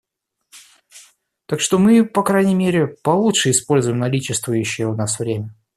Так что мы, по крайней мере, получше используем наличествующее у нас время.